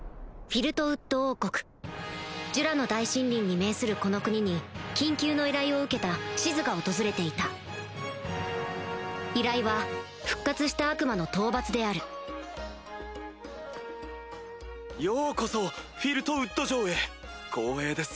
フィルトウッド王国ジュラの大森林に面するこの国に緊急の依頼を受けたシズが訪れていた依頼は復活した悪魔の討伐であるようこそフィルトウッド城へ光栄です。